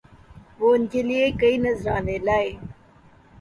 وہ ان کے لیے کئی نذرانے لائے